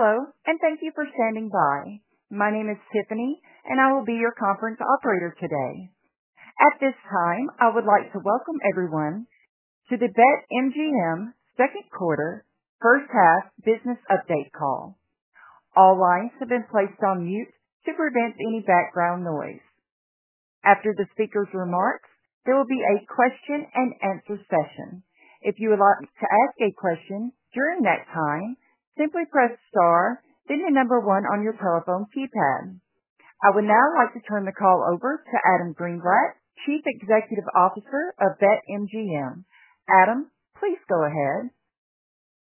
Hello and thank you for standing by. My name is Tiffany and I will be your Conference Operator today. At this time, I would like to. Welcome everyone to the BetMGM second quarter first half business update call. All lines have been placed on mute to prevent any background noise. After the speaker's remarks, there will be a question and answer session. If you would like to ask a question during that time, simply press star then the number one on your telephone keypad. I would now like to turn the call over to Adam Greenblatt, Chief Executive Officer of BetMGM. Adam, please go ahead.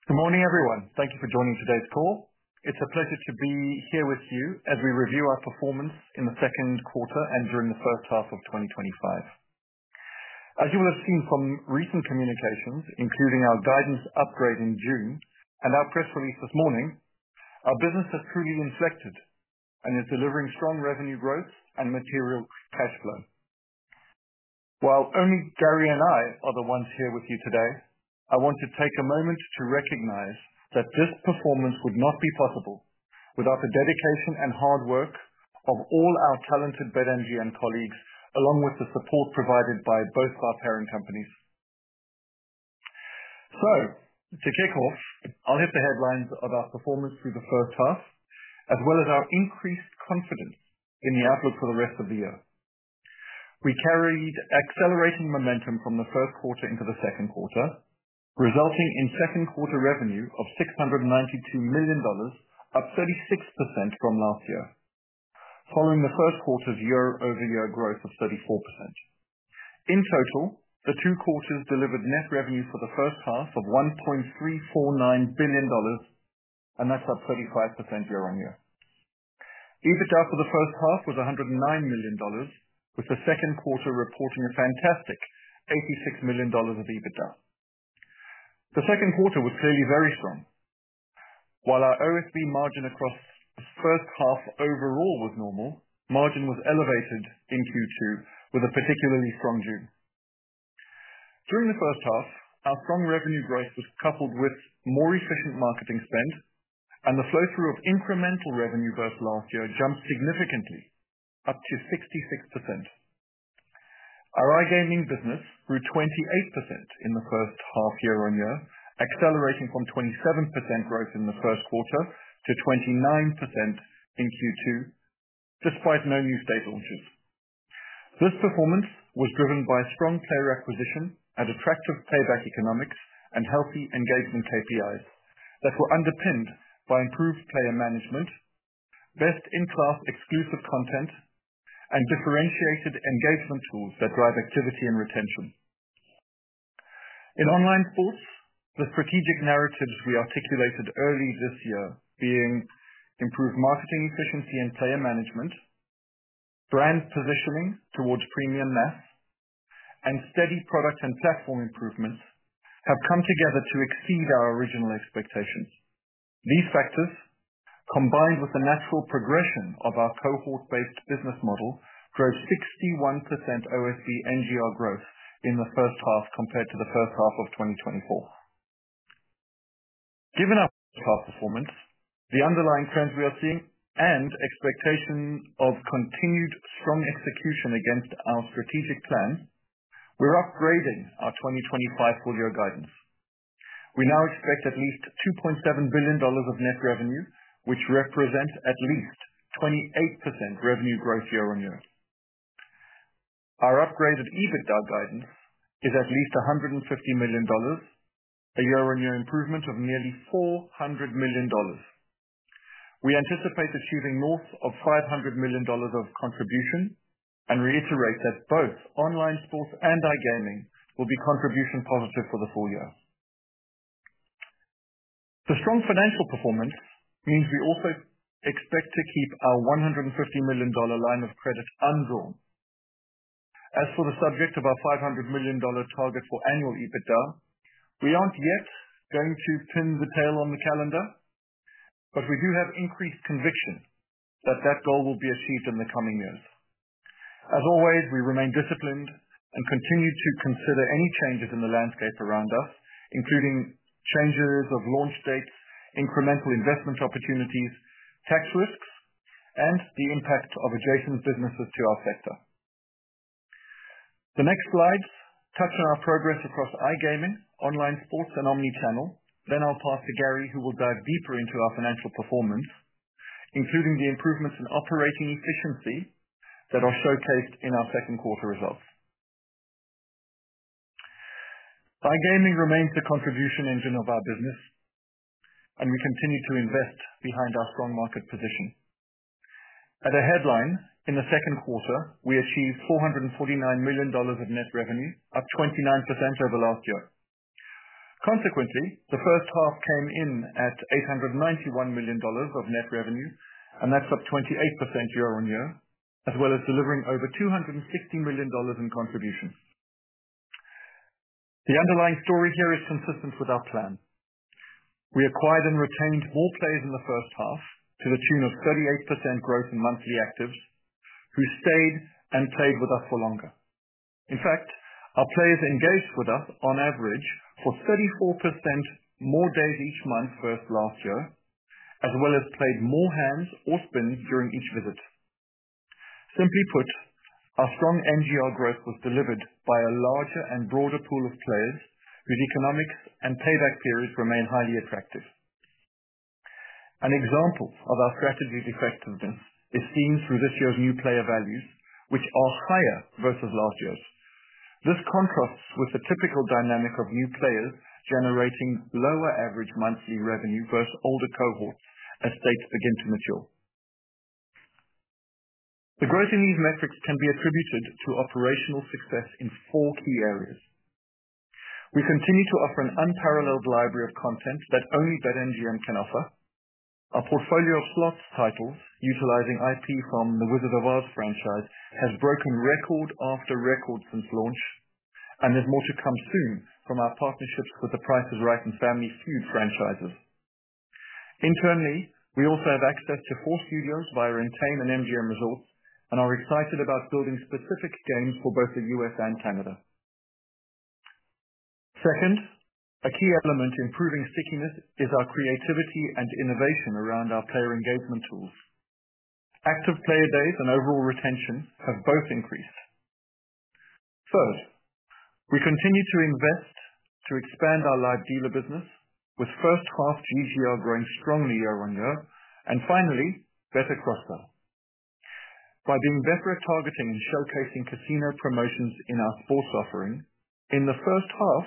Good morning, everyone. Thank you for joining today's call. It's a pleasure to be here with you as we review our performance in the second quarter and during the first half of 2025. As you will have seen from recent communications, including our guidance upgrade in June and our press release this morning, our business has truly inflected and is delivering strong revenue growth and material cash flow. While only Gary and I are the ones here with you today, I want to take a moment to recognize that this performance would not be possible without the dedication and hard work of all our talented BetMGM colleagues, along with the support provided by both of our parent companies. To kick off, I'll hit the headlines of our performance through the first half as well as our increased confidence in the outlook for the rest of the year. We carried accelerating momentum from the first quarter into the second quarter, resulting in second quarter revenue of $692 million, up 36% from last year, following the first quarter's year-over-year growth of 34%. In total, the two quarters delivered net revenue for the first half of $1.349 billion, and that's up 35% year-on-year. EBITDA for the first half was $109 million, with the second quarter reporting a fantastic $86 million of EBITDA. The second quarter was clearly very strong. While our online sports betting margin across the first half overall was normal, margin was elevated in Q2 with a particularly strong June during the first half. Our strong revenue growth was coupled with more efficient marketing spend, and the flow-through of incremental revenue versus last year jumped significantly up to 66%. Our iGaming business grew 28% in the first half year-on-year, accelerating from 27% growth in the first quarter to 29% in Q2 despite no new state launches. This performance was driven by strong player acquisition and attractive playback economics and healthy engagement KPIs that were underpinned by improved player management, best in class exclusive content, and differentiated engagement tools that drive activity and retention in online sports. The strategic narratives we articulated early this year, being improved marketing efficiency and player management, brand positioning towards premium math, and steady product and platform improvement, have come together to exceed our original expectations. These factors, combined with the natural progression of our cohort based business model, drove 61% online sports betting NGR growth in the first half compared to the first half of 2024. Given our first half performance, the underlying trends we are seeing and expectation of continued strong execution against our strategic plan, we're upgrading our 2025 full year guidance. We now expect at least $2.7 billion of net revenue, which represents at least 28% revenue growth year-on-year. Our upgraded EBITDA guidance is at least $150 million, a year-on-year improvement of nearly $400 million. We anticipate achieving north of $500 million of contribution and reiterate that both online sports and iGaming will be contribution positive for the full year. The strong financial performance means we also expect to keep our $150 million line of credit undrawn. As for the subject of our $500 million target for annual EBITDA, we aren't yet going to pin the tail on the calendar, but we do have increased conviction that that goal will be achieved in the coming years. As always, we remain disciplined and continue to consider any changes in the landscape around us, including changes of launch dates, incremental investment opportunities, tax risks, and the impact of adjacent businesses to our sector. The next slides touch on our progress across iGaming, online sports, and omnichannel. I'll pass to Gary, who will dive deeper into our financial performance, including the improvements in operating efficiency that are showcased in our second quarter results. iGaming remains the contribution engine of our business and we continue to invest behind our strong market position. At a headline, in the second quarter we achieved $449 million of net revenue, up 29% over last year. Consequently, the first half came in at $891 million of net revenue and that's up 28% year on year, as well as delivering over $260 million in contributions. The underlying story here is consistent with our plan. We acquired and retained more players in the first half to the tune of 38% growth in monthly actives who stayed and played with us for longer. In fact, our players engaged with us on average for 34% more days each month versus last year, as well as played more hands or spins during each visit. Simply put, our strong NGR growth was delivered by a larger and broader pool of players whose economics and payback periods remain highly attractive. An example of our strategy's effectiveness is seen through this year's new player values, which are higher versus last year's. This contrasts with the typical dynamic of new players generating lower average monthly revenue versus older cohorts as states begin to mature. The growth. in these metrics can be attributed to operational success in four key areas. We continue to offer an unparalleled library of content that only BetMGM can offer. Our portfolio of slots titles utilizing IP from the Wizard of Oz franchise has broken record after record since launch, and there's more to come soon from our partnerships with The Price Is Right and Family Feud franchises. Internally, we also have access to four studios via Entain and MGM Resorts and are excited about building specific games for both the U.S. and Canada. Second, a key element improving stickiness is our creativity and innovation around our player engagement tools. Active player days and overall retention have both increased. Third, we continue to invest to expand our live dealer business with first half GGR growing strongly year-on-year, and finally, better cross-sell by being better at targeting and showcasing casino promotions in our sports offering. In the first half,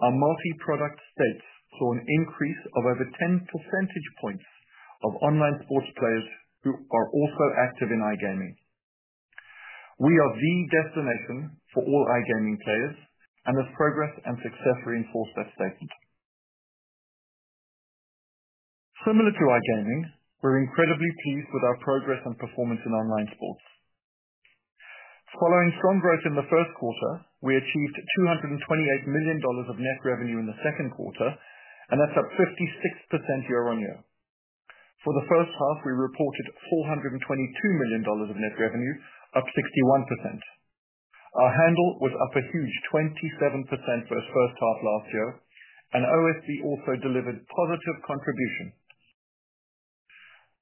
our multi-product states saw an increase of over 10 percentage points of online sports players who are also active in iGaming. We are the destination for all iGaming players, and this progress and success reinforce that statement. Similar to iGaming, we're incredibly pleased with our progress and performance in online sports. Following strong growth in the first quarter, we achieved $228 million of net revenue in the second quarter, and that's up 56%. For the first half, we reported $422 million of net revenue, up 61%. Our handle was up a huge 27% for the first half last year, and OSB also delivered positive contribution.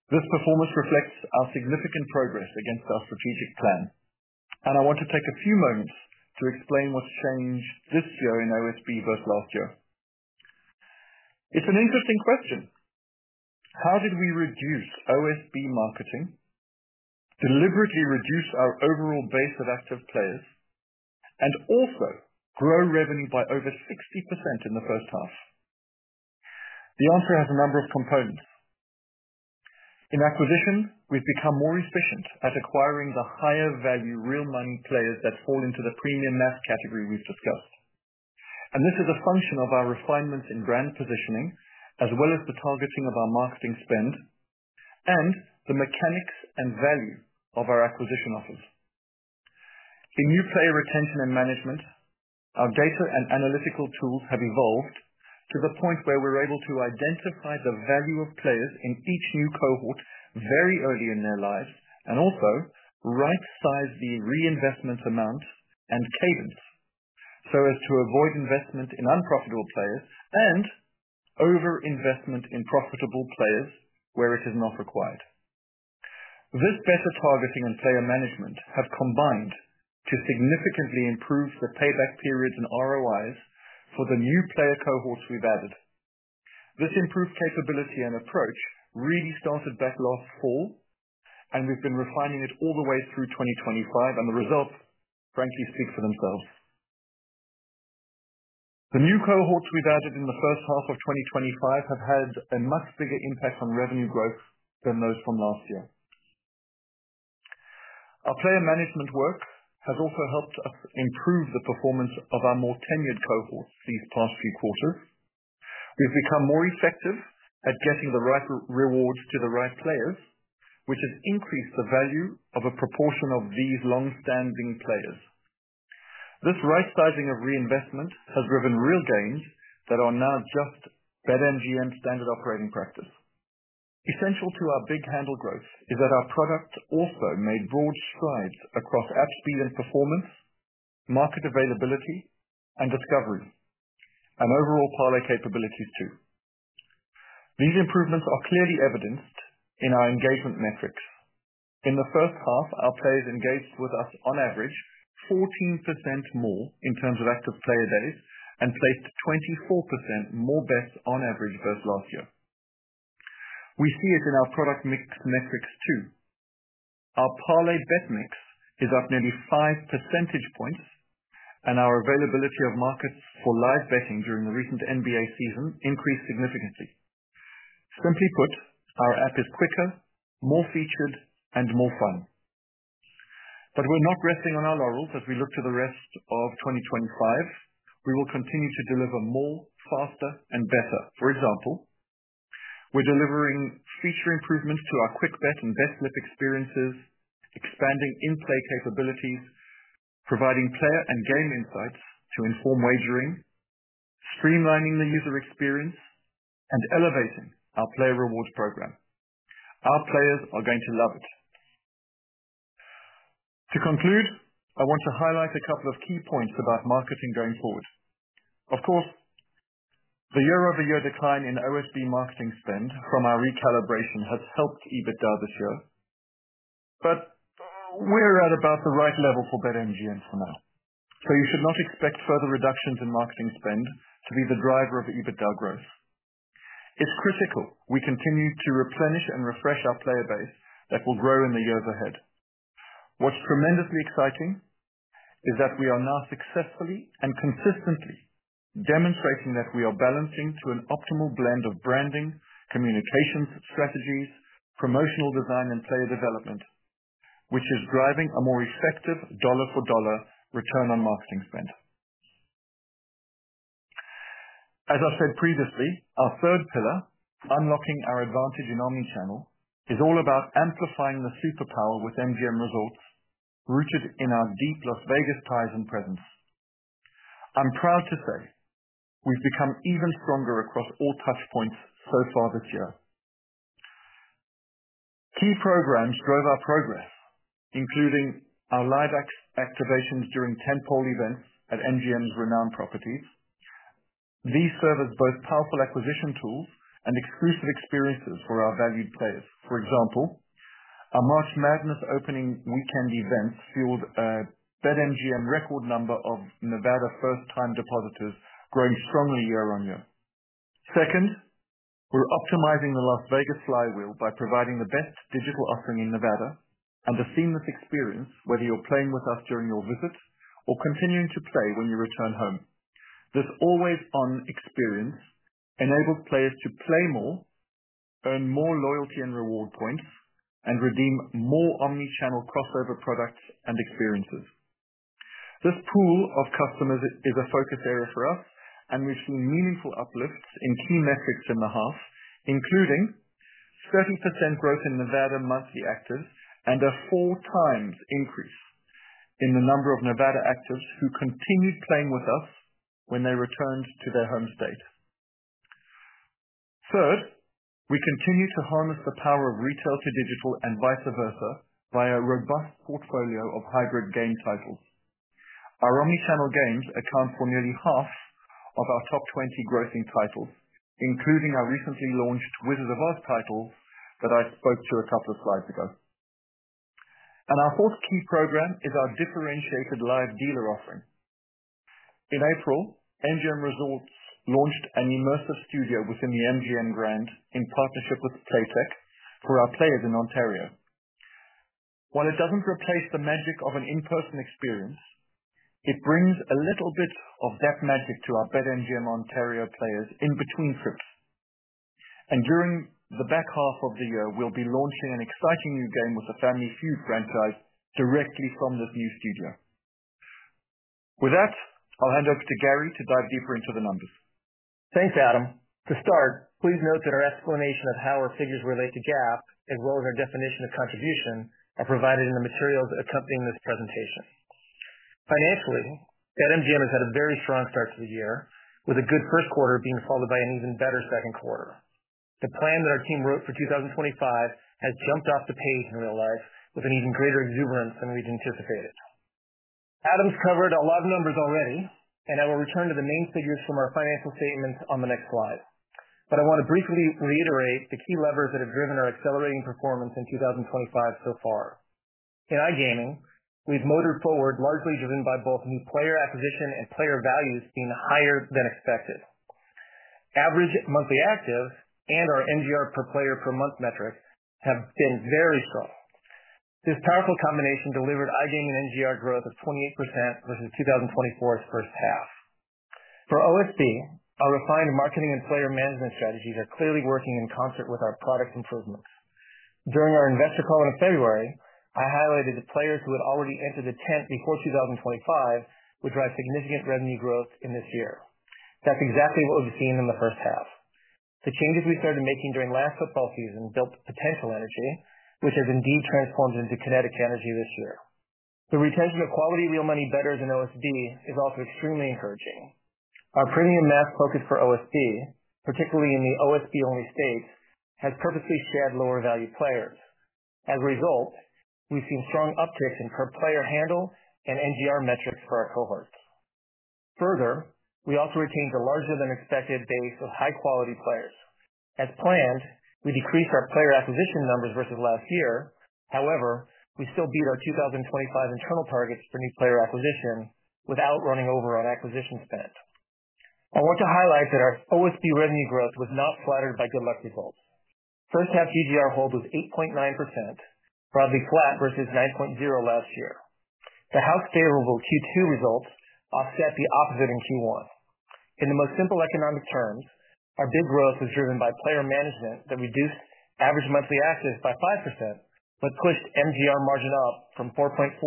This performance reflects our significant progress against our strategic plan, and I want to take a few moments to explain what's changed this year in OSB versus last year. It's an interesting question. How did we reduce OSB marketing, deliberately reduce our overall base of active players, and also grow revenue by over 60% in the first half? The answer has a number of components. In acquisition, we've become more efficient at acquiring the higher value real money players that fall into the premium math category we've discussed, and this is a function of our refinements in brand positioning as well as the targeting of our marketing spend and the mechanics and value of our acquisition offers. In new player retention and management, our data and analytical tools have evolved to the point where we're able to identify the value of players in each new cohort very early in their lives and also right-size the reinvestment amount and cadence so as to avoid investment in unprofitable players and overinvestment in profitable players where it is not required. This better targeting and player management have combined to significantly improve the payback periods and ROIs for the new player cohorts we've added. This improved capability and approach really started back last fall, and we've been refining it all the way through 2025, and the results frankly speak for themselves. The new cohorts we've added in the first half of 2025 have had a much bigger impact on revenue growth than those from last year. Our player management work has also helped us improve the performance of our more tenured cohorts these past few quarters. We've become more effective at getting the right rewards to the right players, which has increased the value of a proportion of these long-standing players. This right-sizing of reinvestment has driven real gains that are now just BetMGM standard operating practice. Essential to our big handle growth is that our product also made broad strides across app speed and performance, market availability and discovery, and overall parlay capabilities too. These improvements are clearly evidenced in our engagement metrics. In the first half, our players engaged with us on average 14% more in terms of active player days and placed 24% more bets on average versus last year. We see it in our product mix metrics too. Our parlay bet mix is up nearly 5 percentage points, and our availability of markets for live betting during the recent NBA season increased significantly. Simply put, our app is quicker, more featured, and more fun. We're not resting on our laurels. As we look to the rest of 2025, we will continue to deliver more, faster, and better. For example, we're delivering feature improvements to our quick bet and bet slip experiences, expanding in-play capabilities, providing player and game insights to inform wagering, streamlining the user experience, and elevating our player rewards program. Our players are going to love it. To conclude, I want to highlight a couple of key points about marketing going forward. Of course, the year-over-year decline in OSB marketing spend from our recalibration has helped EBITDA this year, but we're at about the right level for BetMGM for now, so you should not expect further reductions in marketing spend to be the driver of EBITDA growth. It's critical we continue to replenish and refresh our player base that will grow in the years ahead. What's tremendously exciting is that we are now successfully and consistently demonstrating that we are balancing to an optimal blend of branding, communications strategies, promotional design, and player development, which is driving a more effective dollar-for-dollar return on marketing spend. As I've said previously, our third pillar, unlocking our advantage in omnichannel, is all about amplifying the superpower with MGM Resorts rooted in our deep Las Vegas ties and presence. I'm proud to say we've become even stronger across all touch points so far this year. Key programs drove our progress, including our live activations during tentpole events at MGM's renowned properties. These serve as both powerful acquisition tools and exclusive experiences for our valued players. For example, our March Madness opening weekend event filled a BetMGM and record number of Nevada first-time depositors, growing strongly year on year. Second, we're optimizing the Las Vegas flywheel by providing the best digital offering in Nevada and a seamless experience whether you're playing with us during your visit or continuing to play when you return home. This always-on experience enabled players to play more, earn more loyalty and reward points, and redeem more omnichannel crossover products and experiences. This pool of customers is a focus area for us and we've seen meaningful uplifts in key metrics in the half, including 30% growth in Nevada monthly actives and a 4x increase in the number of Nevada actives who continued playing with us when they returned to their home state. Third, we continue to harness the power of retail to digital and vice versa via a robust portfolio of hybrid game titles. Our omnichannel games account for nearly half of our top 20 grossing titles, including our recently launched Wizards of Oz title that I spoke to a couple of slides ago. Our fourth key program is our differentiated live dealer offering. In April, MGM Resorts launched an immersive studio within the MGM Grand in partnership with Playtech for our players in Ontario. While it doesn't replace the magic of an in-person experience, it brings a little bit of that magic to our BetMGM Ontario players. In between trips and during the back half of the year, we'll be launching an exciting new game with the Family Feud franchise directly from this new studio. With that, I'll hand over to Gary to dive deeper into the numbers. Thanks Adam. To start, please note that our explanation of how our figures relate to GAAP as well as our definition of contribution are provided in the materials accompanying this presentation. Financially, Entain has had a very strong start to the year, with a good first quarter being followed by an even better second quarter. The plan that our team wrote for 2025 has jumped off the page in real life with an even greater exuberance than we'd anticipated. Adam's covered a lot of numbers already, and I will return to the main figures from our financial statements on the next slide, but I want to briefly reiterate the key levers that have driven our accelerating performance in 2025 so far. In iGaming, we've motored forward largely driven by both new player acquisition and player values being higher than expected. Average monthly active and our NGR per player per month metric have been very strong. This powerful combination delivered iGaming NGR growth of 28% versus 2024's first half. For OSB, our refined marketing and player management strategies are clearly working in concert with our product improvements. During our investor call in February, I highlighted that players who had already entered the tent before 2025 would drive significant revenue growth in this year. That's exactly what we've seen in the first half. The changes we started making during last football season built potential energy, which has indeed transformed into kinetic energy this year. The retention of quality real money bettors in OSB is also extremely encouraging. Our premium mass focus for OSB, particularly in the OSB-only states, has purposely shed lower value players. As a result, we've seen strong upticks in per player handle and NGR metrics for our cohorts. Further, we also retained a larger than expected base of high quality players. As planned, we decreased our player acquisition numbers versus last year. However, we still beat our 2025 internal. Targets for new player acquisition. Without running over on acquisition spend, I want to highlight that our OSB revenue. Growth was not flattered by good luck results. First half GGR hold was 8.9% broadly. Flat versus 9.0% last year. The House favorable Q2 results offset the opposite in Q1. In the most simple economic terms, our. Big growth was driven by player management. That reduced average monthly active by 5% but pushed MGR margin up from 4.4%-5.6%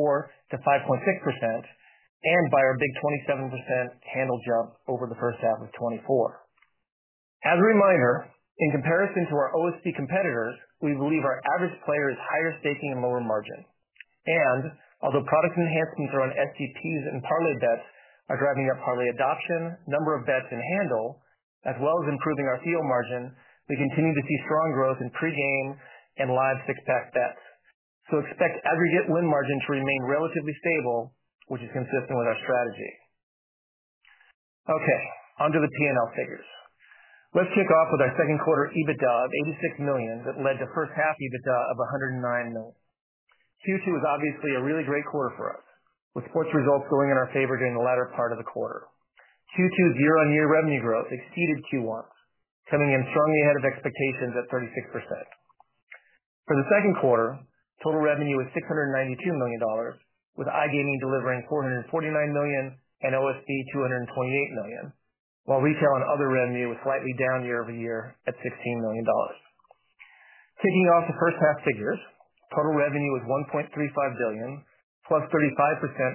and by our big 27% handle jump over first half of 2024. As a reminder, in comparison to our OSB competitors, we believe our average player is higher staking and lower margin. Although product enhancements around STPs and parlay bets are driving up parlay adoption, number of bets and handle as well as improving our CO margin, we continue to see strong growth in pregame and live six pack bets. Expect aggregate win margin to remain relatively stable, which is consistent with our strategy. Okay, onto the P&L figures. Let's kick off with our second quarter EBITDA of $86 million. That led to first half EBITDA of $109 million. Q2 was obviously a really great quarter for us, with sports results going in our favor. During the latter part of the quarter, Q2's year-on-year revenue growth exceeded Q1, coming in strongly ahead of expectations at 36%. For the second quarter, total revenue was $692 million with iGaming delivering $449 million and OSB $228 million, while retail and other revenue was slightly down year-over-year at $16 million. Kicking off the first half figures, total revenue was $1.35 billion, +35%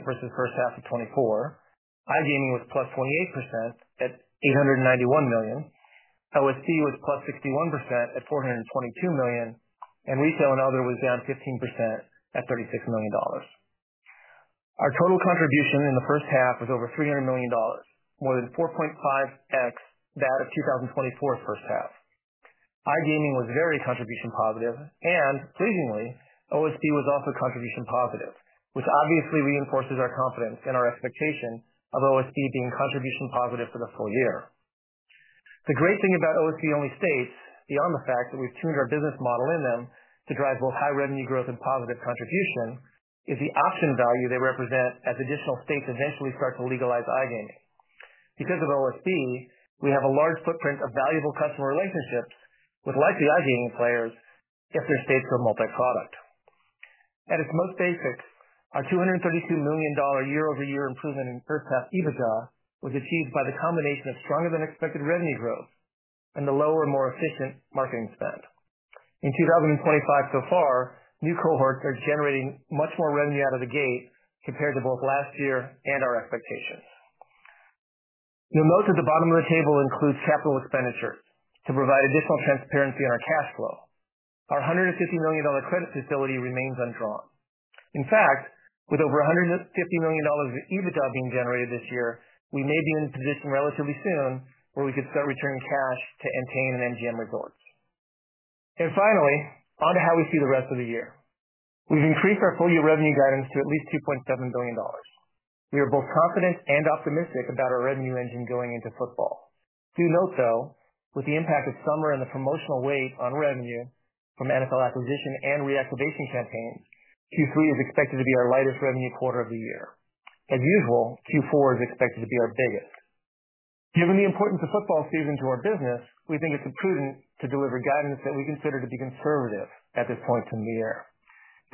versus first half of 2024. iGaming was 28% at $891 million, OSB was 61% at $422 million, and retail and other was down 15% at $36 million. Our total contribution in the first half was over $300 million, more than 4.5x that of 2024's first half. iGaming was very contribution positive and, pleasingly, OSB was also contribution positive, which obviously reinforces our confidence and our expectation of OSB being contribution positive for the full year. The great thing about OSB-only states, beyond the fact that we've tuned our business model in them to drive both high revenue growth and positive contribution, is the option value they represent. As additional states eventually start to legalize iGaming because of OSB, we have a large footprint of valuable customer relationships with likely iGaming players if they're staged for multiproduct. At its most basic, our $232 million year-over-year improvement in first half EBITDA was achieved by the combination of stronger than expected revenue growth and the lower, more efficient marketing spend in 2025. So far, new cohorts are generating much more revenue out of the gate compared to both last year and our expectations. You'll note that the bottom of the table includes capital expenditures to provide additional transparency on our cash flow. Our $150 million credit facility remains undrawn. In fact, with over $150 million of EBITDA being generated this year, we may be in a position relatively soon where we could start returning cash to Entain and MGM Resorts. Finally, on to how we see. The rest of the year. We've increased our full year revenue guidance to at least $2.7 billion. We are both confident and optimistic about our revenue engine going into football. Do note, though, with the impact of summer and the promotional weight on revenue from NFL acquisition and reactivation campaigns, Q3 is expected to be our lightest revenue. Quarter of the year. As usual, Q4 is expected to be our biggest. Given the importance of football season to our business, we think it's prudent to deliver guidance that we consider to be conservative at this point in the year.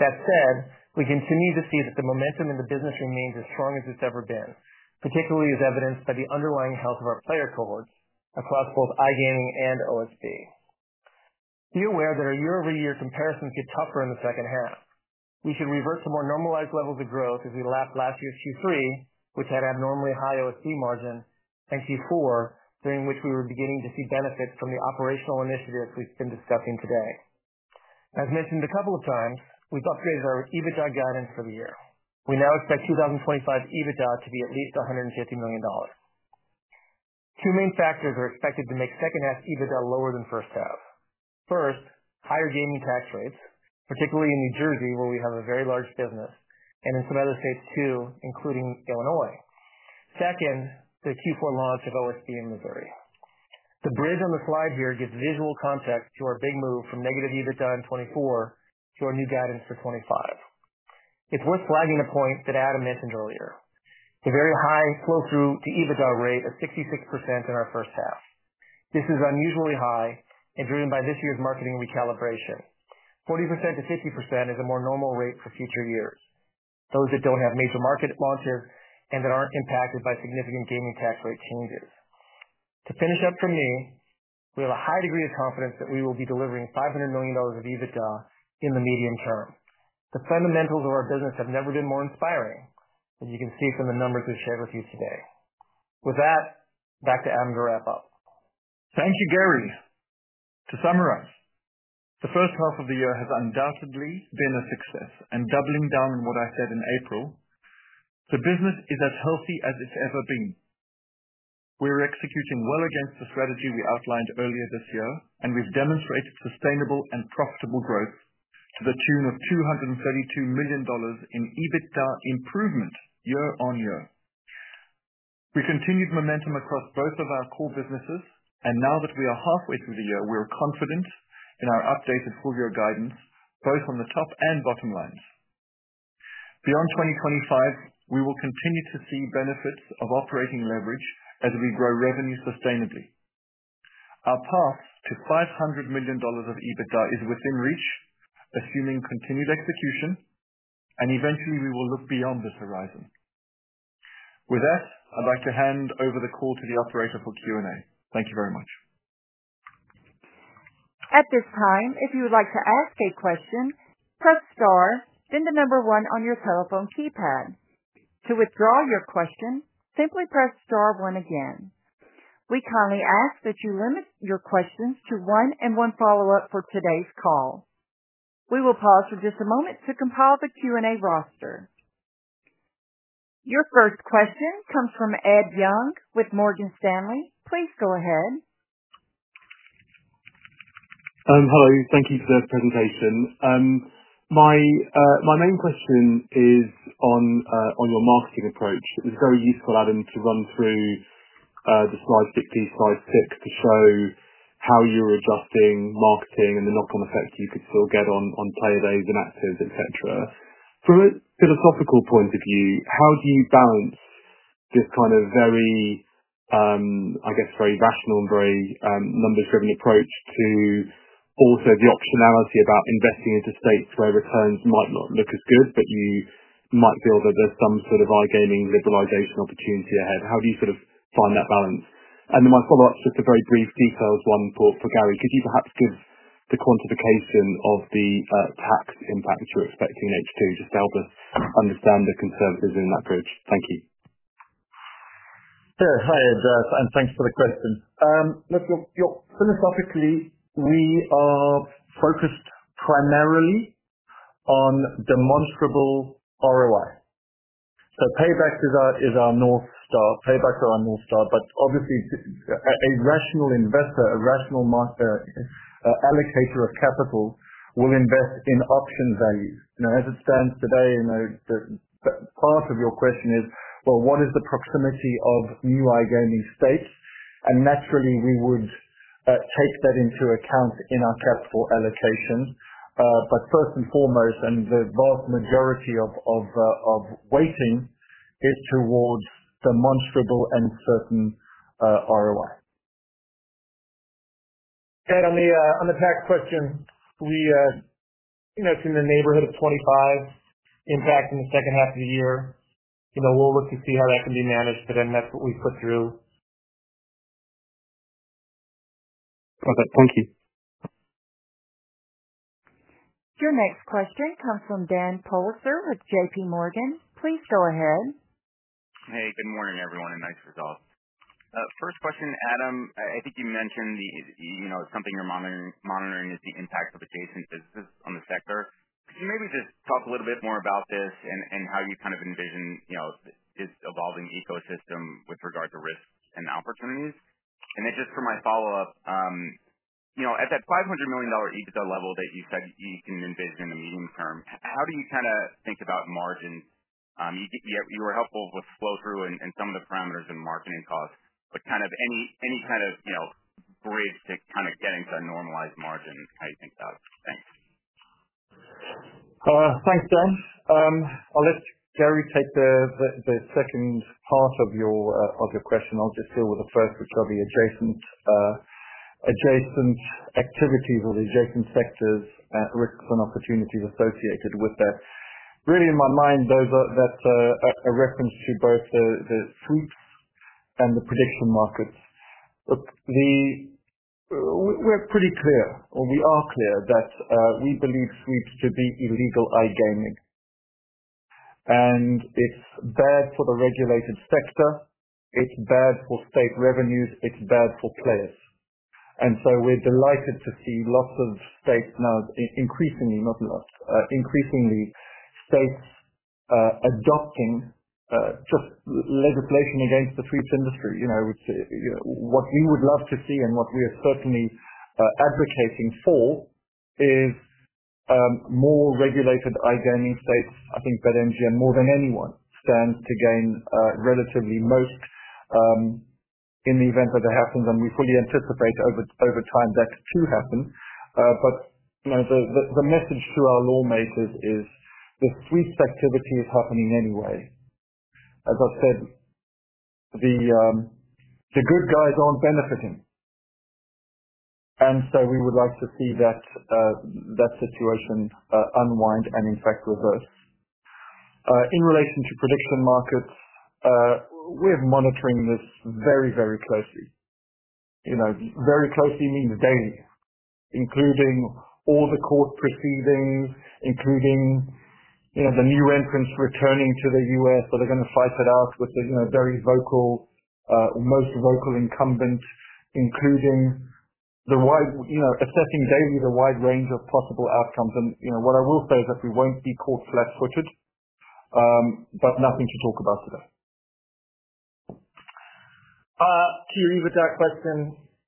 That said, we continue to see that the momentum in the business remains as strong as it's ever been, particularly as evidenced by the underlying health of our player cohorts across both iGaming and OSB. Be aware that our year-over-year comparisons get tougher in the second half. We can revert to more normalized levels. Of growth as we lapped last year's. Q3, which had abnormally high OSB margin, and Q4, during which we were beginning to see benefits from the operational initiatives we've been discussing today. As mentioned a couple of times, we've upgraded our EBITDA guidance for the year. We now expect 2025 EBITDA to be at least $150 million. Two main factors are expected to make second half EBITDA lower than first half. First, higher gaming tax rates, particularly in. New Jersey, where we have a very. Large business, and in some other states too, including Illinois. Second, the Q4 launch of OSB in Missouri. The bridge on the slide here gives visual context to our big move from negative EBITDA in 2024 to our new guidance for 2025. It's worth flagging the point that Adam mentioned earlier. A very high flow-through to EBITDA rate of 66% in our first half. This is unusually high and driven by this year's marketing recalibration, 40%-50% is a more normal rate for future years. Those that don't have major market launches and that aren't impacted by significant gaming tax rate changes. To finish up from me, we have a high degree of confidence that we will be delivering $500 million of EBITDA in the medium term. The fundamentals of our business have never. Been more inspiring, as you can see. From the numbers we've shared with you today, with that, back to Adam to wrap up. Thank you, Gary. To summarize, the first half of the year has undoubtedly been a success and doubling down on what I said in April. The business is as healthy as it's ever been. We're executing well against the strategy we outlined earlier this year, and we've demonstrated sustainable and profitable growth to the tune of $232 million in EBITDA improvement year on year. We continued momentum across both of our core businesses. Now that we are halfway through the year, we are confident in our updated full year guidance both on the top and bottom lines. Beyond 2025, we will continue to see benefits of operating leverage as we grow revenue sustainably. Our path to $500 million of EBITDA is within reach, assuming continued execution and eventually we will look beyond this horizon. With that, I'd like to hand over the call to the operator for Q&A. Thank you very much. At this time, if you would like to ask a question, press Star then the number one on your telephone keypad. To withdraw your question, simply press Star one. Again, we kindly ask that you limit your questions to one and one follow-up for today's call. We will pause for just a moment to compile the Q&A roster. Your first question comes from Ed Young with Morgan Stanley. Please go ahead. Hello. Thank you for the presentation. My main question is on your marketing approach. It was very useful, Adam, to run through the Slide 50 slide to show how you're adjusting marketing and the knock-on effect you could still get on player days and actives, etc. From a philosophical point of view, how do you balance this kind of very, I guess very rational and very numbers-driven approach to also the optionality about investing into states where returns might not look as good but you might feel that there's some sort of iGaming liberalization opportunity ahead. How do you sort of find that balance? My follow-up is just a very brief details one for Gary, could you perhaps give the quantification of the tax impact you're expecting in H2 just to help us understand the conservatism in that bridge? Thank you. Hi Jeff, and thanks for the question. Philosophically we are focused primarily on demonstrable ROI. Payback is our North Star, paybacks are our North Star. Obviously a rational investor, a rational marketer, investor, allocator of capital will invest in option value as it stands today. Part of your question is what is the proximity of new iGaming states? Naturally we would take that into account in our capital allocation. First and foremost, and the vast majority of weighting, is towards demonstrable and certain ROI. Ed, on the tax question, we, you. It's in the neighborhood of 25% impact in the second half of the year. We'll look to see how that can be managed, but then that's what we put through. Thank you. Your next question comes from Dan Politzer with JPMorgan. Please go ahead. Hey, good morning everyone and nice results. First question, Adam, I think you mentioned something you're monitoring is the impact of adjacent businesses on the sector. Could you maybe just talk a little? Bit more about this and how you kind of envision this evolving ecosystem with regard to risk and opportunities. For my follow up, at that $500 million EBITDA level that you said you can envision in the medium term, how do you kind of think about margins? You were helpful with flow-through and some of the parameters in marketing costs, but any kind of bridge to getting to normalized margin. How you think about it. Thanks. Thanks, Dan. I'll let Gary take the second part of your question. I'll just deal with the first. Which are the adjacent activities or the adjacent sectors, risks and opportunities associated with that? Really in my mind that's a reference to both the sweeps and the prediction markets. We're pretty clear, or we are clear that we believe sweeps should be illegal iGaming. It's bad for the regulated sector, it's bad for state revenues, it's bad for players. We're delighted to see increasingly states adopting legislation against the sweeps industry. You know, what we would love to see and what we are certainly advocating for is more regulated iGaming states. I think that Entain more than anyone stands to gain relatively most in the event that it happens. We fully anticipate over time that to happen. The message to our lawmakers is the sweeps activity is happening anyway. As I said, the good guys aren't benefiting. We would like to see that situation unwind and in fact reverse. In relation to prediction markets, we're monitoring this very, very closely. Very closely means daily, including all the court proceedings, including the new entrants returning to the U.S. They're going to fight it out with the very most vocal incumbent, including assessing daily the wide range of possible outcomes. What I will say. We won't be caught flat footed. Nothing to talk about today. Your EBITDA question.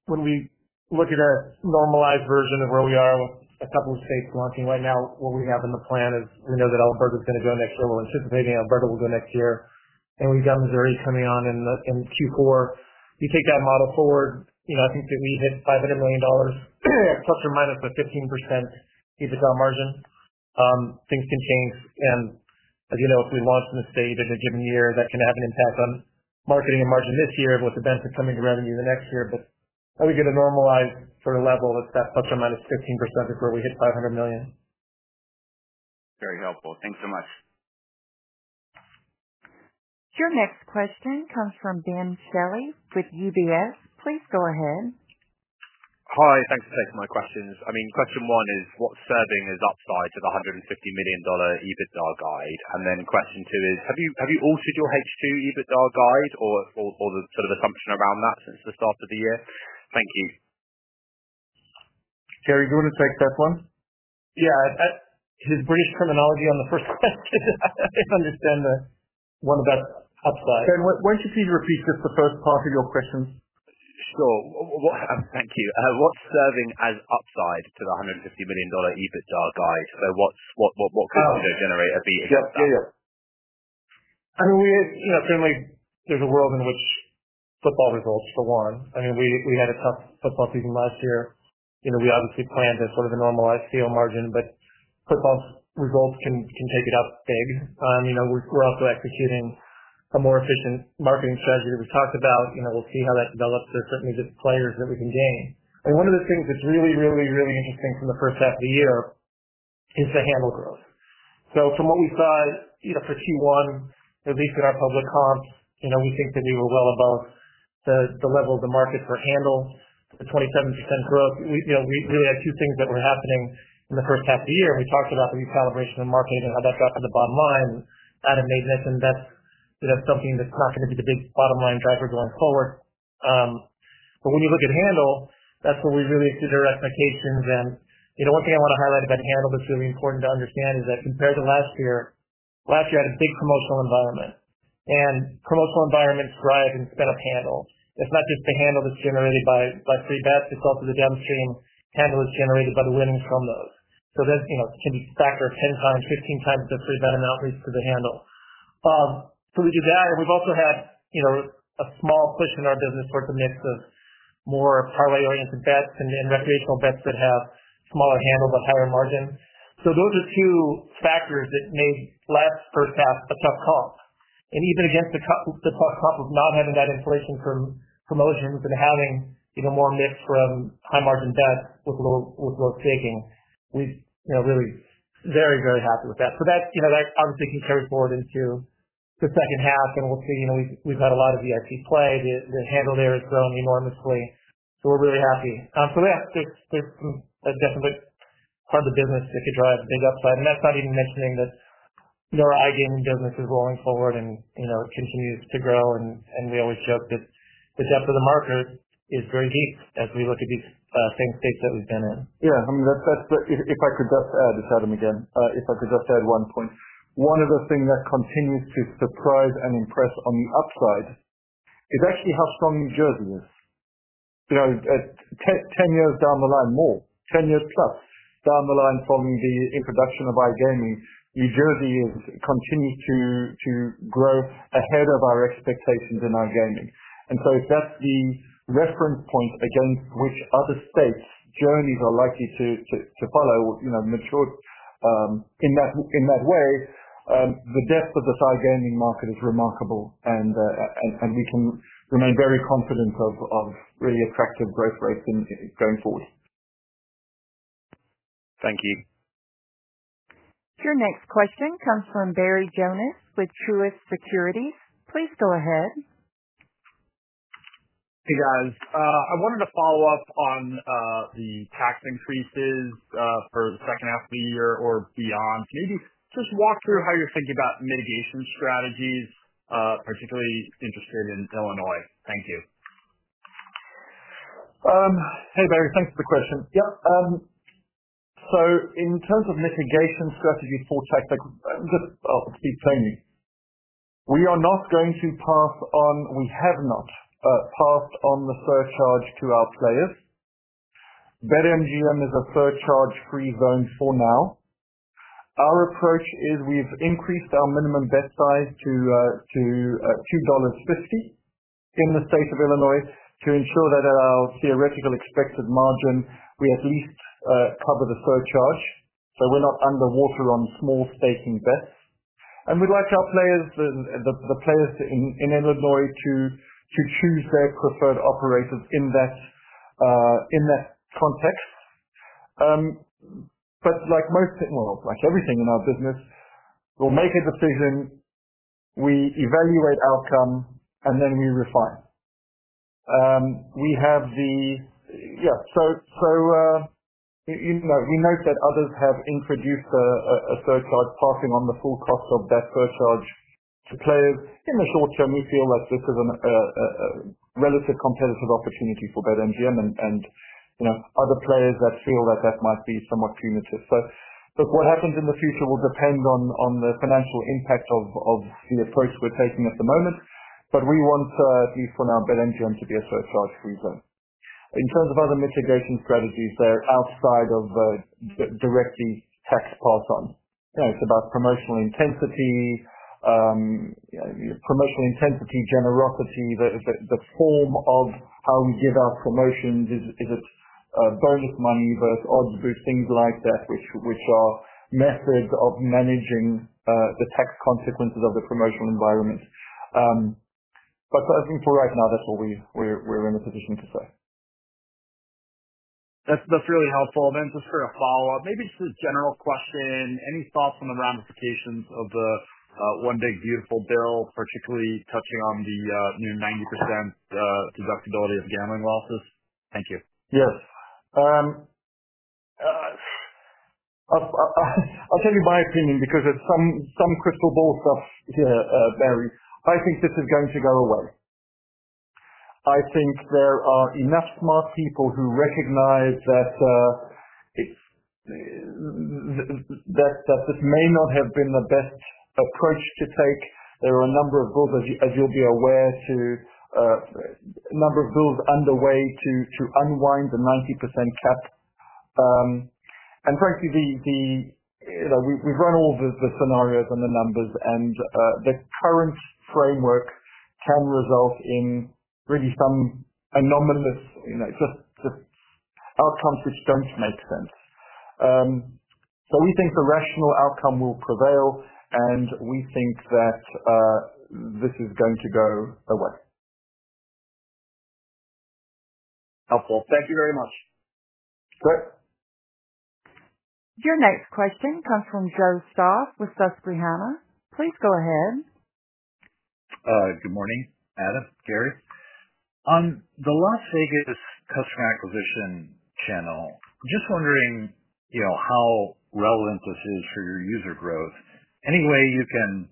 When we look at a normalized version of where we are with a couple of states launching right now, what we have in the plan is we know. That Alberta is going to go next year. We're anticipating Alberta will go next year, and we've got Missouri coming on in Q4. You take that model forward, I think that we hit $500 million ± a 15% margin. Things can change. As you know, if we launch in the state in a given year, that can have an impact on marketing and margin this year with the benefits coming to revenue the next year. We get a normalized sort of level, that such a -15% before we hit $500 million. Very helpful. Thanks so much. Your next question comes from Ben Shelley with UBS. Please go ahead. Hi. Thanks for taking my questions. Question one is what's serving as upside to the $150 million EBITDA guide? Question two is have you altered your H2 EBITDA guide or the sort. Of assumption around that since the start of the year? Thank you. Gary, do you want to take that one? Yeah, his British terminology on the first question. I understand one of that upside. Won't you please repeat just the first part of your question? Sure. Thank you. What's serving as upside to the $150 million EBITDA guide? What could generate a beat? I mean, certainly there's a world in. Which football results, for one. I mean, we had a tough football season last year. We obviously planned a sort of a normal IPO margin, but football results can take it up big. We're also executing a more efficient marketing strategy we talked about. We'll see how that develops. There are certainly different players that we can gain. One of the things that's really, really, really interesting from the first half of the year is to handle growth. From what we saw for Q1, at least in our public comps, we think that we were well above the. Level of the market for handle. The 27% growth. We really had two things that were happening in the first half of the year. We talked about the recalibration of marketing and how that got to the bottom line maintenance. That's something that's not going to be the big bottom line driver going forward. When you look at handle, that's where we really see their expectations. One thing I want to highlight about handle that's really important to understand is that compared to last year, last year had a big promotional environment and promotional environments drive and sped up handle. It's not just the handle that's generated by free bets. It's also the downstream handle that's generated by the winning from those. That can be factored 10x, 15x the amount leased to the handle. We did that and we've also had a small push in our business towards a mix of more parlay oriented bets and recreational bets that have smaller handle but higher margin. Those are two factors that made last first half a tough comp. Even against the tough comp of not having that inflation from promotions and having more mix from high margin debt with low staking, we're really, very, very happy with that. That obviously can carry forward into the second half and we'll see. We've had a lot of VIP play. The handle there has grown enormously. We're really happy. There's a definite part of the business that could drive big upside and that's not even mentioning that our iGaming business is rolling forward and it continues to grow. We always joke that the depth of the market is very deep as we look at these same states that we've been in. If I could just add. It's Adam again. If I could just add one point. One of the things that continues to surprise and impress on the upside is actually how strong New Jersey is. 10 years down the line, more 10 years+ down the line from the introduction of iGaming, New Jersey continues to grow ahead of our expectations in iGaming. If that's the reference point against which other states' journeys are likely to follow, mature in that way, the depth of the iGaming market is remarkable, and we can remain very confident of really attractive growth rates going forward. Thank you. Your next question comes from Barry Jonas with Truist Securities. Please go ahead. Hey guys, I wanted to follow up on the tax increases for the second half of the year or beyond, maybe just walk through how you're thinking about mitigation strategies, particularly interested in Illinois. Thank you. Hey Barry, thanks for the question. In terms of mitigation strategy for tax, to just speak plainly, we are not going to pass on, we have not passed on the surcharge to our players. BetMGM is a surcharge free zone for now. Our approach is we've increased our minimum bet size to $2.50 in the state of Illinois to ensure that at our theoretical expected margin we at least cover the surcharge, so we're not underwater on small staking bets. We'd like our players, the players in Illinois, to choose their preferred operators in that context. Like everything in our business, we'll make a decision, we evaluate outcome, and then we refine. We have the. Yeah, so we note that others have introduced a surcharge, passing on the full cost of that surcharge to players in the short term. We feel like this is a relative competitive opportunity for BetMGM and other players that feel that that might be somewhat punitive. What happens in the future will depend on the financial impact of the approach we're taking at the moment. We want, at least for now, BetMGM to be a surcharge free zone. In terms of other mitigation strategies, they're outside of directly tax part on, it's about promotional intensity, promotional intensity generosity, the form of how we give our promotions, is it bonus money versus odds, things like that, which are methods of managing the tax consequences of the promotional environment. For right now, that's what we're in a position to say. That's really helpful. Just for a follow up, maybe just a general question. Any thoughts on the ramifications of the One Big Beautiful Bill, particularly touching on the near 90% deductibility of gambling losses. Thank you. Yes, I'll tell you my opinion because it's some crystal ball stuff here, Barry. I think this is going to go away. I think there are enough smart people who recognize that this may not have been the best approach to take. There are a number of books, as you'll be aware, a number of bills underway to unwind the 90% cap, and frankly we've run all the scenarios and the numbers, and the current framework can result in really some anomalous outcomes which don't make sense. We think the rational outcome will prevail and we think that this is going to go away. Helpful. Thank you very much. Great. Your next question comes from Joe Stauff with Susquehanna. Please go ahead. Good morning, Adam. Gary on the Las Vegas Customer Acquisition channel. Just wondering how relevant this is for your user growth. Any way you can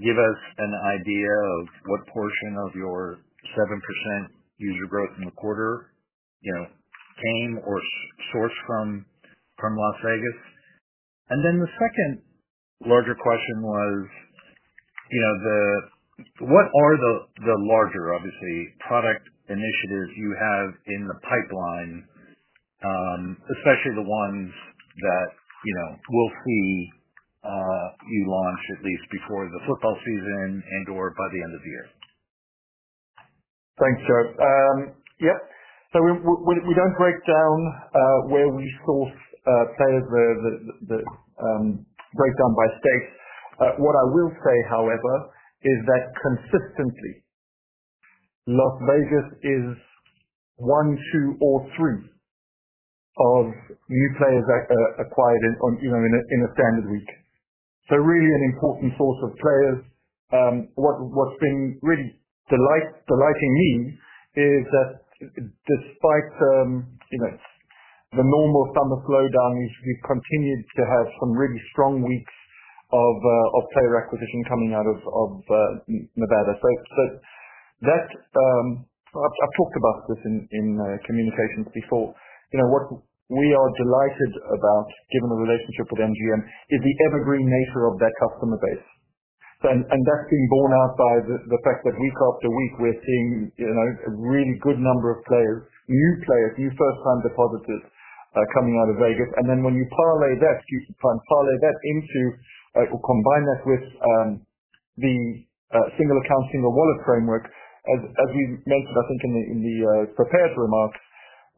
give us an idea of what portion of your 7% user growth in the quarter came or sourced from Las Vegas? The second larger question was what are the larger obviously product initiatives you have in the pipeline, especially the ones that we'll see you launch at least before the football season and or by the end of the year. Thanks, Joe. Yep. We don't break down where we source players, break down by stakes. What I will say, however, is that consistently Las Vegas is one, two, or three of new players acquired in a standard week. It is really an important source of players. What's been really delighting me is that despite the normal summer slowdown, we've continued to have some really strong weeks of player acquisition coming out of Nevada. I have talked about this in communications before. What we are delighted about, given the relationship with MGM Resorts, is the evergreen nature of their customer base. That's being borne out by the fact that week after week we're seeing a really good number of players, new players, new first-time depositors coming out of Vegas. When you parlay that, you try and parlay that into or combine that with the single account, single wallet framework. As we mentioned, I think in the prepared remarks,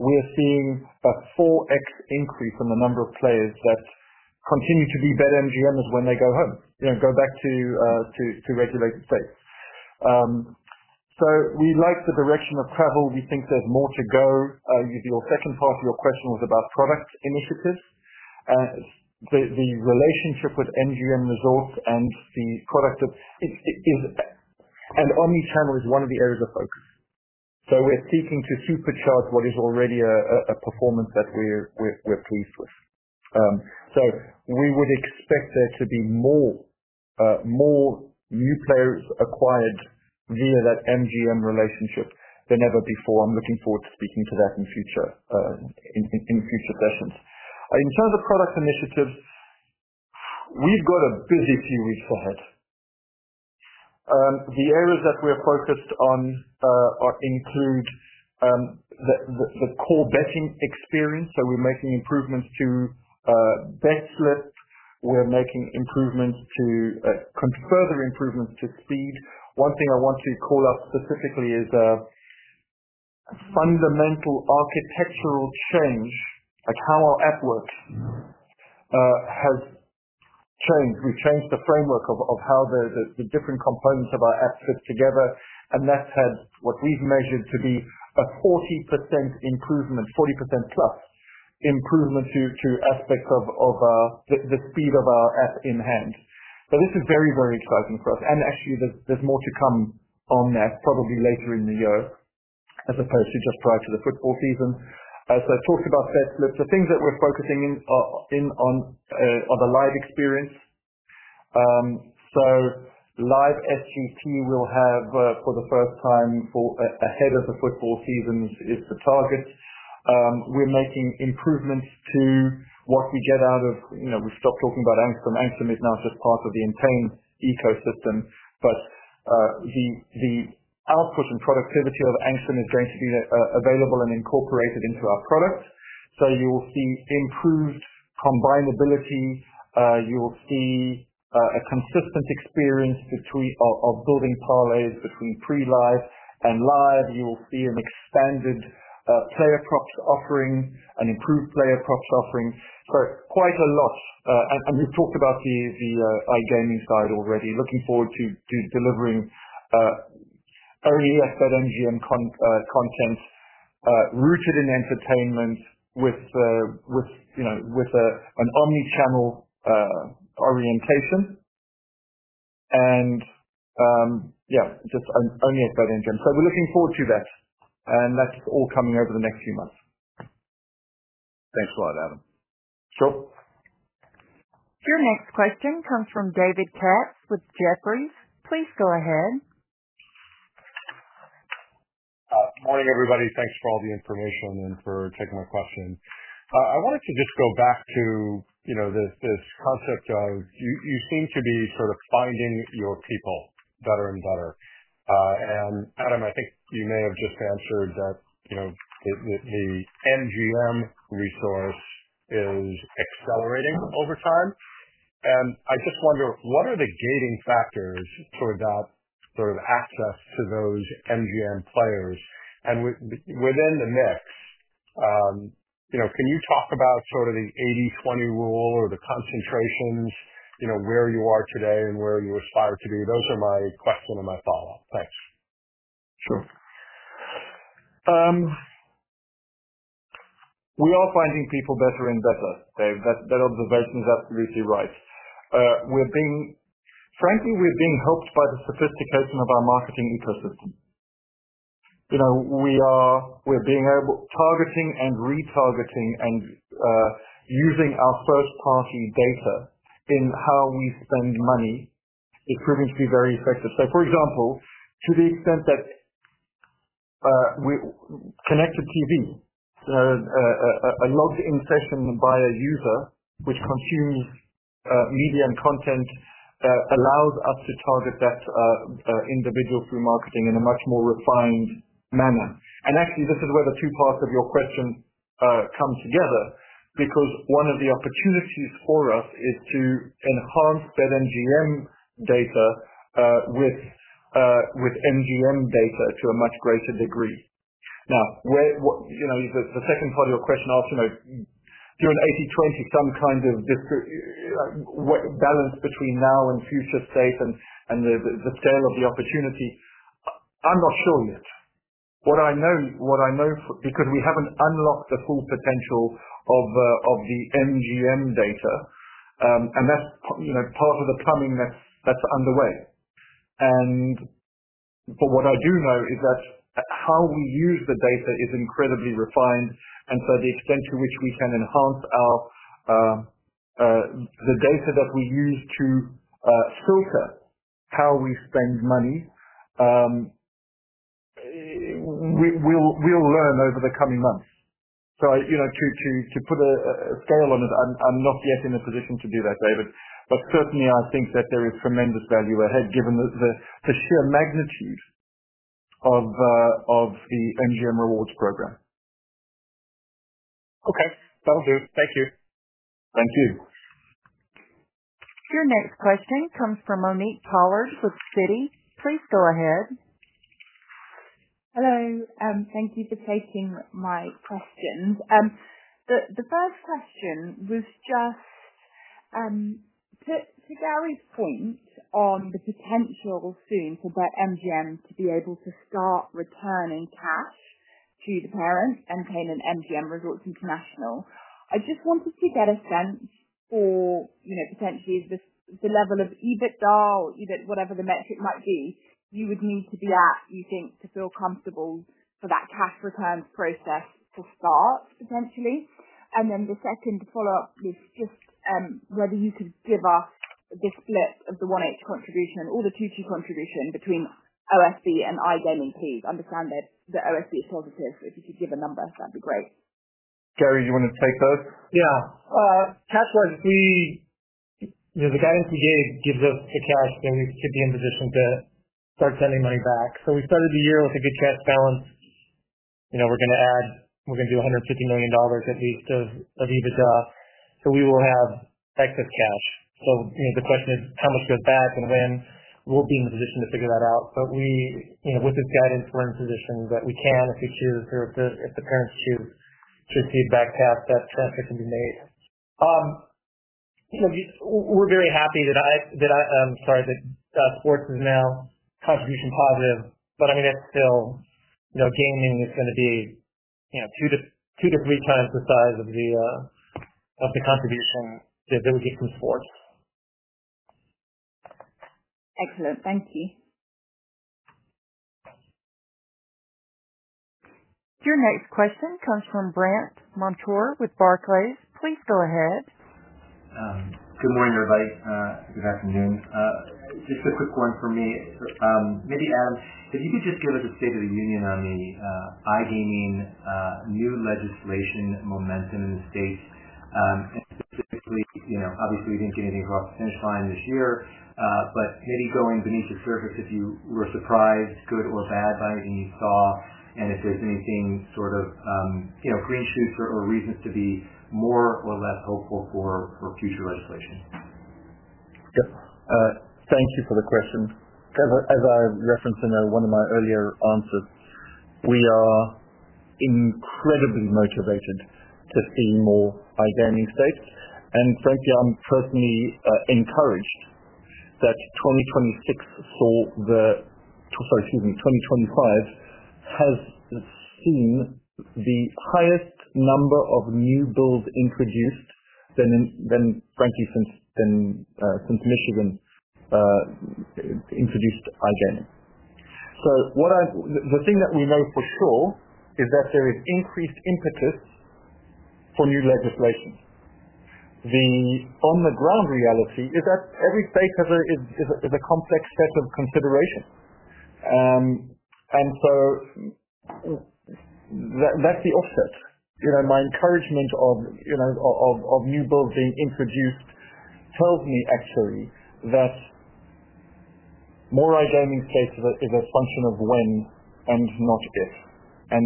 we are seeing a 4x increase in the number of players that continue to be BetMGM's when they go home, go back to regulated states. We like the direction of travel. We think there's more to go. Your second part of your question was about product initiatives. The relationship with MGM Resorts and the. Product. Omnichannel is one of the areas of focus. We're seeking to supercharge what is already a performance that we're pleased with. We would expect there to be more new players acquired via that MGM relationship than ever before. I'm looking forward to speaking to that in the future in future sessions. In terms of product initiatives, we've got a busy few weeks ahead. The areas that we are focused on include the core betting experience. We're making improvements to Bet Slip. We're making further improvements to speed. One thing I want to call up. Specifically is. Fundamental architectural change like how our app works has changed. We've changed the framework of how the different components of our app fit together, and that's had what we've measured to be a 40% improvement, 40%+ improvement to aspects of the speed of our app in hand. This is very, very exciting for us. Actually, there's more to come on that probably later in the year as opposed to just prior to the football season. Talked about bet slips. The things that we're focusing in on are the live experience. Live SGP will have for the first time ahead of the football season is the target. We're making improvements to what we get out of, you know, we stopped talking about Angstrom. Angstrom is now just part of the Entain ecosystem, but the output and productivity of Angstrom is going to be available and incorporated into our product. You will see improved combinability. You will see a consistent experience of building parlays between pre-live and live. You will see an expanded player props offering, an improved player props offering. Quite a lot. We've talked about the iGaming side already, looking forward to delivering MGM content rooted in entertainment with an omnichannel orientation. Just omni MGM. We're looking forward to that, and that's all coming over the next few months. Thanks a lot, Adam. Sure. Your next question comes from David Katz with Jefferies. Please go ahead. Morning everybody. Thanks for all the information and for taking my question. I wanted to just go back to this concept of you seem to be sort of finding your people better and better. Adam, I think you may have. just answered that the MGM Rewards resource is accelerating over time. I just wonder what are the gating factors toward that sort of access to those MGM players and within the mix. Can you talk about the 80/20 rule or the concentrations where you are today and where you aspire to be? Those are my question and my follow up. Thanks. Sure. We are finding people better and better. Dave, that observation is absolutely right. Frankly, we're being helped by the sophistication of our marketing ecosystem. You know, we're being targeting and retargeting and using our first party data in how we spend money is proving to be very effective. For example, to the extent that connected TV, a logged in session by a user which consumes media and content allows us to target that individual through marketing in a much more refined manner. Actually, this is where the two parts of your question come together because one of the opportunities for us is to enhance BetMGM data with MGM data to a much greater degree. Now the second part of your question asks during 80/20 some kind of balance between now and future state and the scale of the opportunity. I'm not sure yet what I know because we haven't unlocked the full potential of the MGM data and that's part of the plumbing that's underway. What I do know is that how we use the data is incredibly refined. To the extent to which we can enhance the data that we use to filter how we spend money, we'll learn over the coming months. To put a scale on it, I'm not yet in a position to do that, David, but certainly I think that there is tremendous value ahead given the sheer magnitude of the MGM Rewards program. Okay, that'll do. Thank you. Thank you. Your next question comes from Monique Pollard with Citigroup. Please go ahead. Hello. Thank you for taking my questions. The first question was just to Gary's point on the potential soon for BetMGM to be able to start returning cash to the parent and paying Entain and MGM Resorts International. I just wanted to get a sense for potentially the level of EBITDA, whatever the metric might be you would need to be at, you think to feel comfortable for that cash returns process to start essentially. The second follow up is just whether you could give us the split of the 1H contribution or the 2022 contribution between OSB and iGaming. Please understand that the OSB is positive. If you could give a number, that'd be great. Gary, do you want to take those? Cash wise, the guidance we gave gives us the cash then we should be in position to start sending money back. We started the year with a good cash balance. We're going to add, we're going to do at least $150 million of EBITDA. We will have excess cash. The question is how much goes back and when. We'll be in the position to figure that out. With this guidance we're in position that we can, if we choose, or if the parents choose, to receive back cash. That transfer can be made. We're very happy about that. I'm sorry that sports is now contribution positive, but it's still. Gaming is going to be 2x-3x the size of the contribution that we get from sports. Excellent, thank you. Your next question comes from Brandt Montour with Barclays. Please go ahead. Good morning everybody. Good afternoon. Just a quick one for me. Maybe Adam, if you could just give us a State of the Union on the iGaming new legislation momentum in the states specifically. Obviously, we didn't get anything. Across the finish line this year, but maybe going beneath your surface if you were surprised, good or bad, by anything you saw, and if there's anything, sort of green shoots or reasons to be more or less hopeful for future legislation. Thank you for the question. As I referenced in one of my earlier answers, we are incredibly motivated to see more identity safety, and frankly, I'm personally encouraged that 2026 saw the—sorry, excuse me, 2025 has seen the highest number of new builds introduced than, frankly, since then, since Michigan introduced iGaming. The thing that we know for. There is increased impetus for new legislation. The on-the-ground reality is that every state is a complex set of considerations. That's the offset. My encouragement of new builds being introduced tells me actually that more iGaming states is a function of when and not if.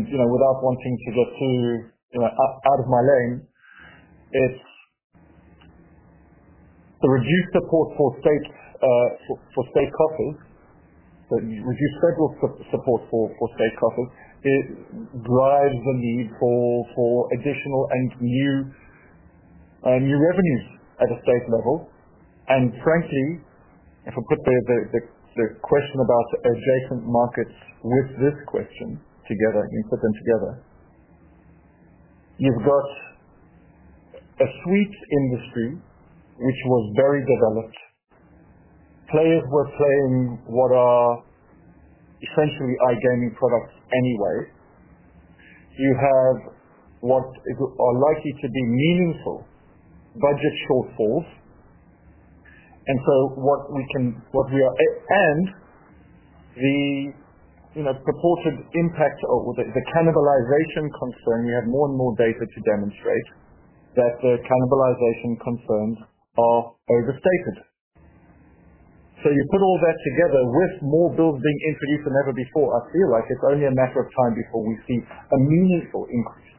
Without wanting to get too out of my lane, it's. The reduced support. For state coffers, reduced federal support for state coffers drives the need for additional and new revenues at a state level. Frankly, if I put the question about adjacent markets with this question together, you put them together, you've got a sweet industry which was very developed. Players were playing what are essentially iGaming products anyway. You are likely to have meaningful budget shortfalls. What we are and the purported impact or the cannibalization concern, we have more and more data to demonstrate that the cannibalization concerns are overstated. You put all that together with more bills being introduced than ever before. I feel like it's only a matter of time before we see a meaningful increase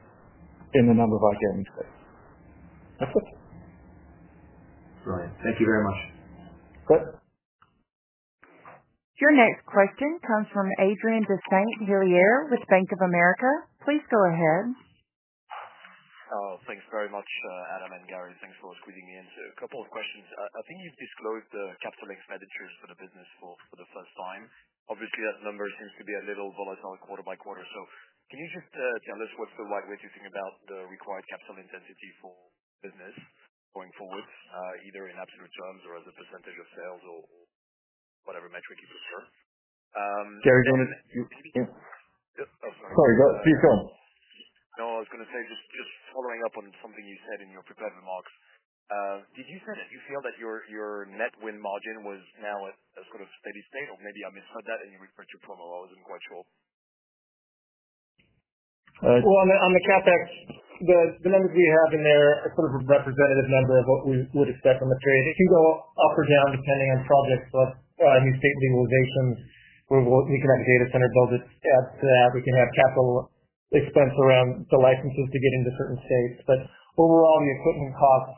in the number of regulated markets. That's it. Brilliant. Thank you very much. Great. Your next question comes from Adrien de Saint Hilaire with Bank of America. Please go ahead. Thanks very much Adam and Gary, thanks for squeezing me in. A couple of questions. I think you've disclosed the capital expenditures for the business for the first time. Obviously, that number seems to be a little volatile quarter by quarter. Can you just tell us what's the right way to think about the required capital intensity for the business going forward, either in absolute terms or as a percentage of sales or whatever metric you prefer? Gary, do you want to—sorry, please go on. I was going to say, just following up on something you said in your prepared remarks. Did you say that you feel that your net win margin was now at sort of steady state, or maybe I misheard that and you referred to your promo? I wasn't quite sure. On the CapEx, the numbers we. Have in there are sort of a representative number of what we would expect on the trade. It can go up or down depending on projects like new state legalizations, economic. Data center, build it. Add to that we can have capital expense around the licenses to get into certain states. Overall, the equipment cost,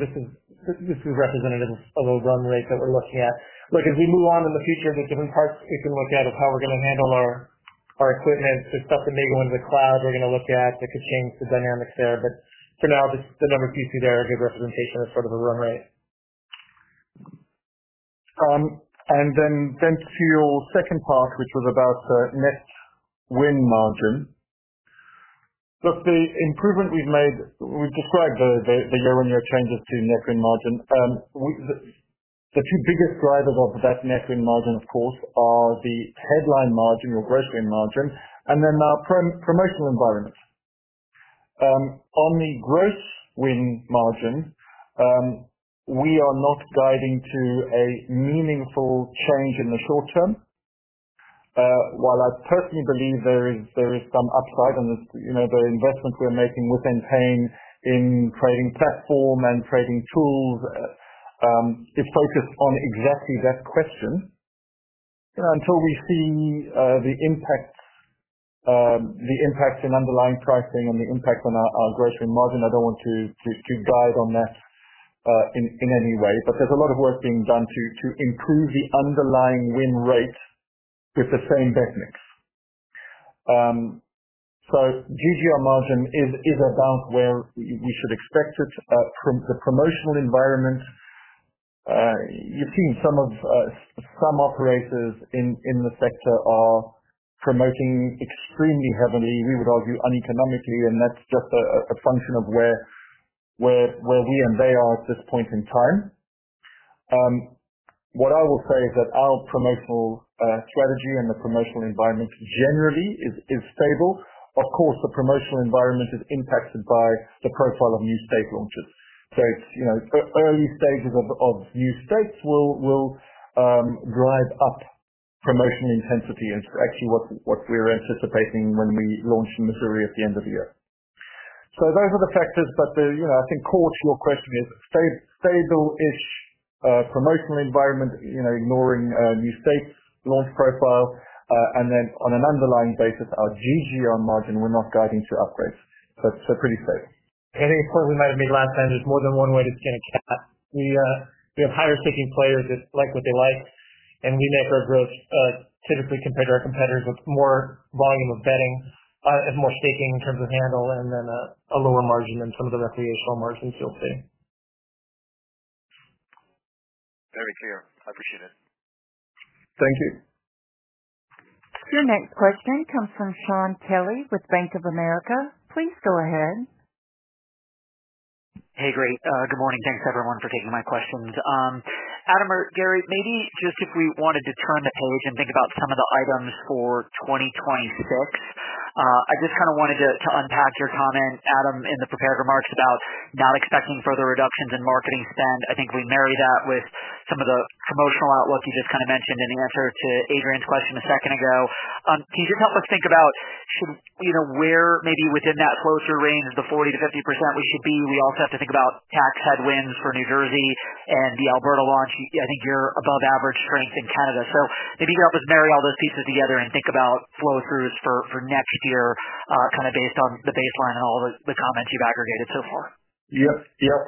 this is representative of a run rate that we're looking at. As we move on in the future, there's different parts we can look at of how we're going to handle our equipment. There's stuff that may go into the cloud we're going to look at that could change the dynamics there. For now, the numbers you see there are a good representation of a run rate. To your second part, which was about net win margin. Look, the improvement we've made, we've described the year on year changes to net win margin. The two biggest drivers of that net win margin, of course, are the headline margin or gross win margin and then our promotional environment on the gross win margin. We are not guiding to a meaningful change in the short term. While I personally believe there is some upside, and the investments we're making with Entain in trading platform and trading tools is focused on exactly that question. Until we see. The impact in underlying pricing and the impact on our grocery margin, I don't want to guide on that in any way. There's a lot of work being done to improve the underlying win rate with the same bet mix. GGR margin is about where we should expect it from the promotional environment you've seen. Some operators in the sector are promoting extremely heavily, we would argue uneconomically, and that's just a function of where we and they are at this point in time. What I will say is that our promotional strategy and the promotional environment generally is stable. Of course, the promotional environment is impacted by the profile of new state launches. Early stages of new states will drive up promotion intensity and actually what we were anticipating when we launch in Missouri at the end of the year. Those are the factors. I think core to your question is stable-ish promotional environment ignoring new state launch profile and then on an underlying basis our GGR margin, we're not guiding to upgrades, but pretty stable. I think a point we might have made last time. There's more than one way to skin a cat. We have higher staking players that like what they like, and we make our growth typically compared to our competitors with. More volume of betting, it's more staking. In terms of handle and then a. Lower margin than some of the recreational margins you'll see. Very clear. I appreciate it. Thank you. Your next question comes from Sean Kelly with Bank of America. Please go ahead. Great. Good morning. Thanks everyone for taking my questions. Adam or Gary, maybe just if we. Wanted to turn the page and think about some of the items for 2020. I just kind of wanted to unpack your comment, Adam, in the prepared remarks about not expecting further reductions in marketing spend. I think we marry that with some. Of the promotional outlook. You just mentioned in the answer to Adrien de Saint Hilaire's question a second ago. Can you help us think about where maybe within that flow-through range. The 40%-50% we should be. We also have to think about tax headwinds for New Jersey and the Alberta launch. I think you're above average strength in Canada, so maybe you can help us marry all those pieces together and think about flow-throughs for next year, kind of based on the baseline and all the comments you've aggregated so far. Yep. Yep.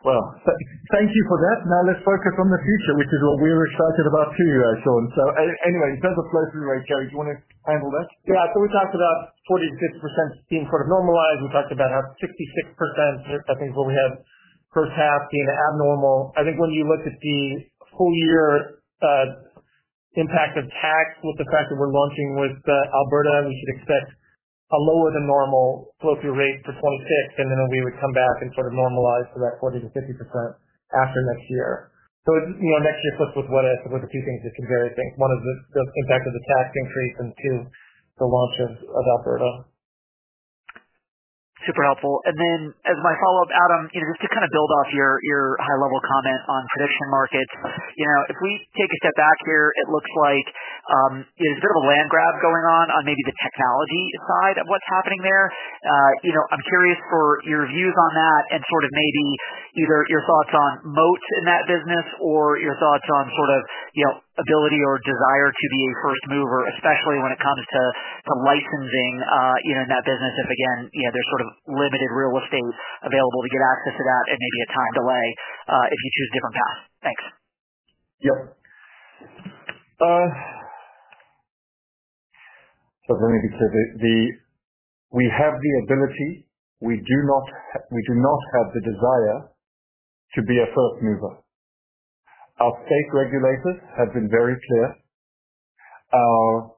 Thank you for that. Now let's focus on the future, which is what we're excited about too, Sean. In terms of flow-through rate, Gary, do you want to handle that? We talked about 46% being sort of normalized. We talked about how 66%. I think what we have first half being abnormal. I think when you look at the full year impact of tax with the fact that we're launching with Alberta, we should expect a lower than normal flow-through rate for 2026 and then we would come back and sort of normalize. To that 40%-50% after next year. Next year flips with what I said with the two things that could vary things. One is the impact of the tax increase, and two, the launch of Alberta. Super helpful. As my follow up, Adam, just to kind of build off your high level comment on prediction market, if we take a step back here, it looks like there's a bit of a land grab going on on maybe the technology side of what's happening there. I'm curious for your views on that and sort of maybe either your thoughts on moat in that business or your thoughts on sort of ability or desire. To be a first mover, especially when. It comes to licensing in that business. If again there's sort of limited real estate available to get access to that, and maybe a time delay if you choose different paths. Thanks. Yep. Let me be clear. We have the ability. We do not, we do not have the desire to be a first mover. Our state regulators have been very clear. Our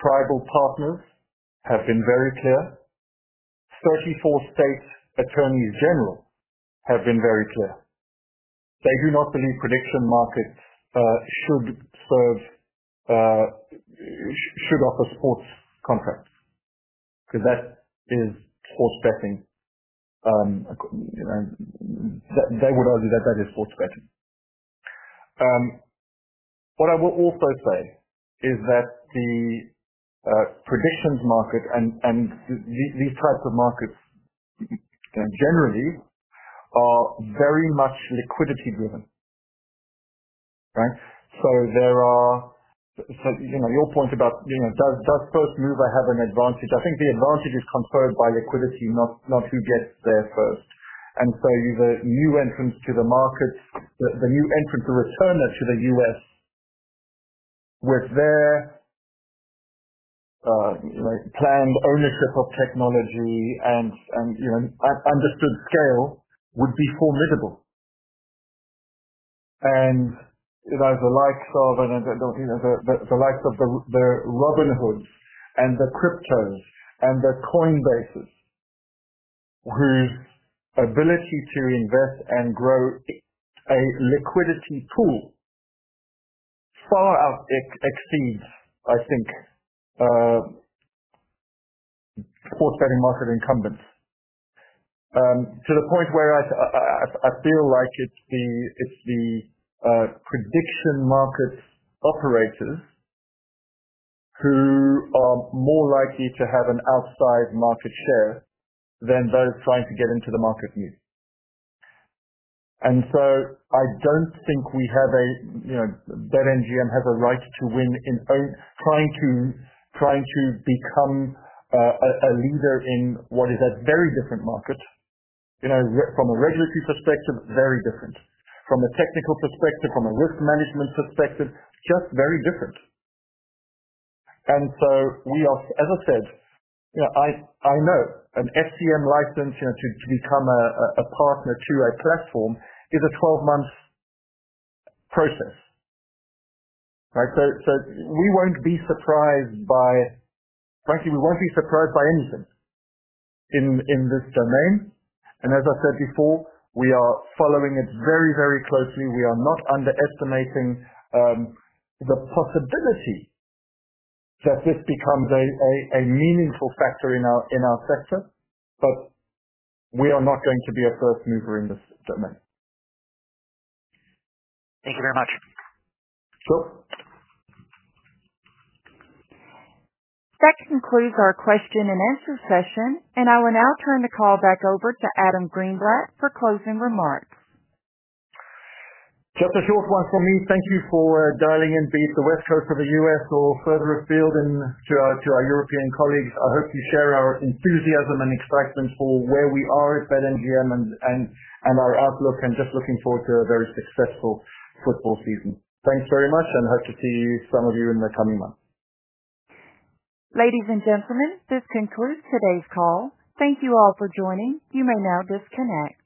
tribal partners have been very clear. Thirty-four states attorneys general have been very clear. They do not believe prediction markets should offer sports contracts because that is sports betting. They would argue that is sports betting. What I will also say is that the prediction market and these types of markets generally are very much liquidity driven. Your point about does first mover have an advantage? I think the advantage is conferred by liquidity, not who gets there first. You have new entrants to the market. The new entrant to return to the U.S. with their planned ownership of technology and understood scale would be formidable. The likes of the Robinhoods and the cryptos and the Coinbases, whose ability to invest and grow a liquidity pool far exceeds, I think, market incumbents to the point where I feel like it's the prediction market operators who are more likely to have an outside market share than those trying to get into the market. I don't think we have a, you know, BetMGM has a right to win in trying to become a leader in what is a very different market, you know, from a regulatory perspective, very different, from a technical perspective, from a risk management perspective, just very different. As I said, I know an FCM license to become a partner to a platform is a 12 month process. We won't be surprised by, frankly, we won't be surprised by anything in this domain. As I said before, we are following it very, very closely. We are not underestimating the possibility that this becomes a meaningful factor in our sector, but we are not going to be a first mover in this domain. Thank you very much. Sure. That concludes our question and answer session, and I will now turn the call back over to Adam Greenblatt for closing remarks. Just a short one for me. Thank you for dialing in, be it the West Coast of the U.S. or further afield. To our European colleagues, I hope you share our enthusiasm and excitement for where we are at BetMGM and our outlook, just looking forward to a very successful football season. Thanks very much and hope to see some of you in the coming months. Ladies and gentlemen, this concludes today's call. Thank you all for joining. You may now disconnect.